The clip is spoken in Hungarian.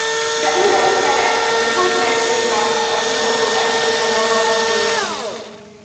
De uram teremtőm, hogy megtépázta a zuhogó eső meg a vad szél!